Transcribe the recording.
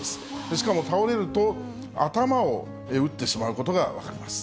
しかも倒れると、頭を打ってしまうことが分かります。